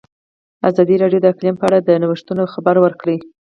ازادي راډیو د اقلیم په اړه د نوښتونو خبر ورکړی.